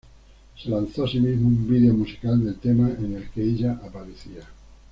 Se lanzó asimismo un vídeo musical del tema en el que ella aparecía.